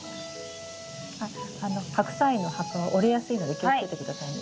あっハクサイの葉っぱは折れやすいので気をつけて下さいね。